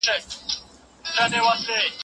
هیڅ سرتېری باید له ولس سره بې احترامي ونه کړي.